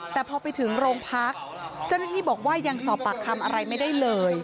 แต่พอไปถึงโรงพักเจ้าหน้าที่บอกว่ายังสอบปากคำอะไรไม่ได้เลย